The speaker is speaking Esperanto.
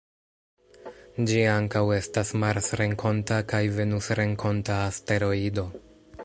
Ĝi ankaŭ estas marsrenkonta kaj venusrenkonta asteroido.